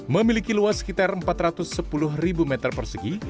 memiliki luas sekitar empat ratus sepuluh meter persegi